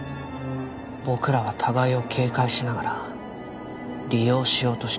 僕らは互いを警戒しながら利用しようとしていた。